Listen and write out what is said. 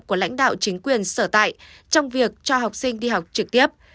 của lãnh đạo chính quyền sở tại trong việc cho học sinh đi học trực tiếp